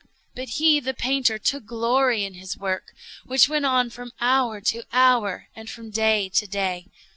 But he, the painter, took glory in his work, which went on from hour to hour, and from day to day.